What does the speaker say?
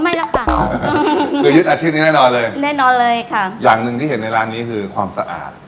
ไม่แล้วค่ะคือยึดอาชีพนี้แน่นอนเลยแน่นอนเลยค่ะอย่างหนึ่งที่เห็นในร้านนี้คือความสะอาด